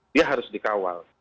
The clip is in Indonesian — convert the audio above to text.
dia harus dikawal